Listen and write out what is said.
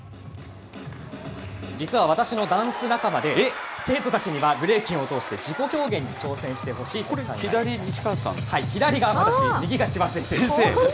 実は私のダンス仲間で、生徒たちにはブレイキンを通して、自己表現に挑戦してほしいということです。